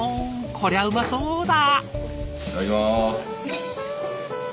こりゃうまそうだ。